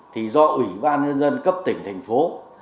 thì do ủy ban nhân dân cấp tỉnh thành phố